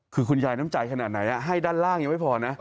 คือคุณยายน้ำใจขนาดไหนให้ด้านล่างยังไม่พอนะ